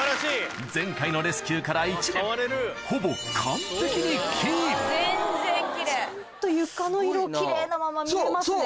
前回のレスキューから１年ほぼ完璧にキープちゃんと床の色奇麗なまま見えますね。